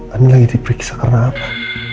ani lagi diperiksa karena apa